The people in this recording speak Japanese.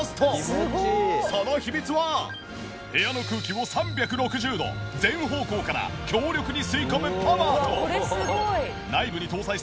その秘密は部屋の空気を３６０度全方向から強力に吸い込むパワーと。